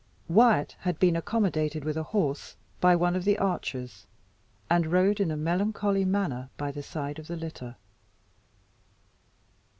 Wyat had been accommodated with a horse by one of the archers, and rode in a melancholy manner by the side of the litter.